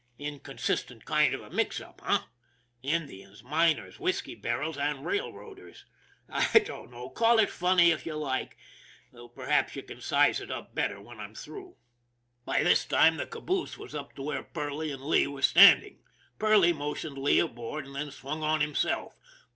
Inconsistent kind of a mix up, eh? Indians, miners, whisky barrels, and railroaders. I don't know ; call it funny if you like, though perhaps you can size it up better when I'm through. By this time the caboose was up to where Perley and Lee were standing. Perley motioned Lee aboard, and then swung on himself.